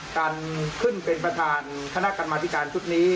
การขึ้นเป็นประธานคณะกรรมธิการชุดนี้